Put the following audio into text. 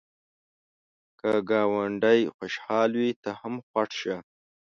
که ګاونډی خوشحال وي، ته هم خوښ شه